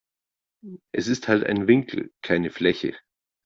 Es ist halt ein Winkel, keine Fläche.